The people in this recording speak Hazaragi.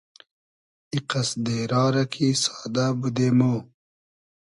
ای قئس دېرا رۂ کی سادۂ بودې مۉ